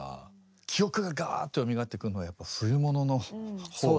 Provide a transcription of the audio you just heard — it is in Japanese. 記憶がガーッとよみがえってくるのはやっぱ冬物の方が。